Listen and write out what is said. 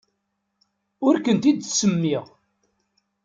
Ur ken-id-ttsemmiɣ.